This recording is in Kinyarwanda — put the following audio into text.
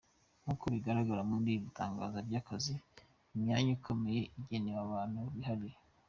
Nk'uko bigaragara muri iri tangazo ry'akazi imyanya ikomeye igenewe abantu bihariye.